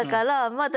だ